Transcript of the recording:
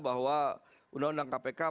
bahwa undang undang kpk